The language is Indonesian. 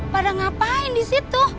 mereka ngapain di situ